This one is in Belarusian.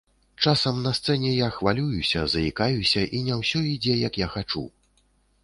Часам на сцэне я хвалююся, заікаюся і не ўсё ідзе, як я хачу.